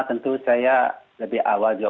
tentu saya lebih awal juga